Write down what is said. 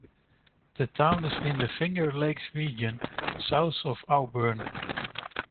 The town is in the Finger Lakes region, south of Auburn.